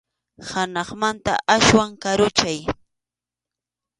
Hanaqmanta aswan karunchay.